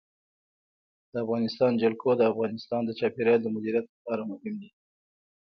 د افغانستان جلکو د افغانستان د چاپیریال د مدیریت لپاره مهم دي.